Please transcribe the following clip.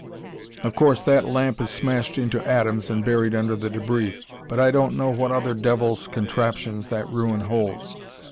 Of course, that lamp is smashed into atoms and buried under the debris, but I don't know what other devil's contraptions that ruin holds.